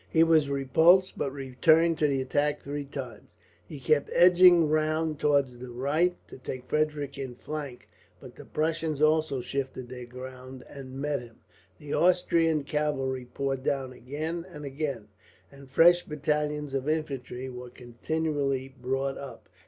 He was repulsed, but returned to the attack three times. He kept edging round towards the right, to take Frederick in flank; but the Prussians also shifted their ground, and met him. The Austrian cavalry poured down again and again, and fresh battalions of infantry were continually brought up.